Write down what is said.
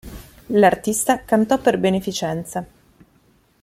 L'artista cantò per beneficenza.